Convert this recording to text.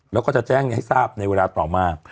แล้วก็จะแจ้งให้ทราบในเวลาต่อมา